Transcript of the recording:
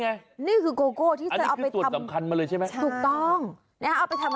อันนี้คือส่วนสำคัญมาเลยใช่ไหม